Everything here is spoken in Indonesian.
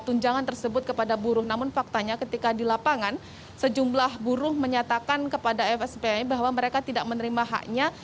tunjangan tersebut kepada buruh namun faktanya ketika di lapangan sejumlah buruh menyatakan kepada fspi bahwa mereka tidak menerima haknya